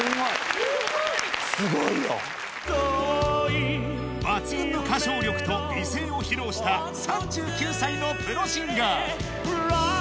すごい！抜群の歌唱力と美声を披露した３９歳のプロシンガー ＲｉｄｅＯｎＴｉｍｅ